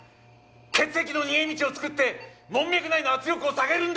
血液の逃げ道を作って門脈内の圧力を下げるんだ！